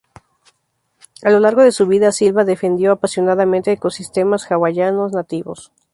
A lo largo de su vida, Sylva defendió apasionadamente ecosistemas hawaianos nativos.